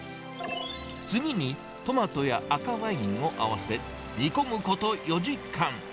次に、トマトや赤ワインを合わせ、煮込むこと４時間。